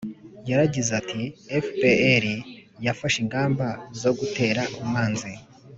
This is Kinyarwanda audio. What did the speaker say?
yaragize ati: «fpr yafashe ingamba zo gutera umwanzi